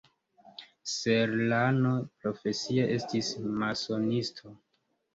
Serrano profesie estis masonisto.